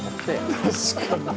確かに。